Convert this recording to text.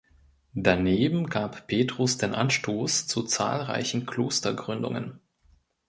Daneben gab Petrus den Anstoß zu zahlreichen Klostergründungen.